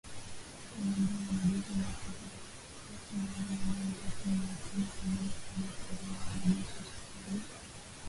Kuwaondoa wanajeshi mia saba wa kikosi maalum ambao walikuwa wametumwa Somalia kufanya kazi na wanajeshi wa Somalia